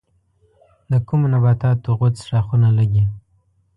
د کومو نباتاتو غوڅ ښاخونه لگي؟